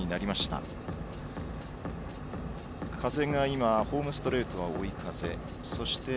今、風がホームストレートの追い風です。